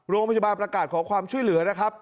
โรงพยาบาลประกาศขอความช่วยเหลือนะครับ